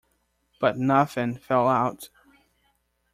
But nothing fell out.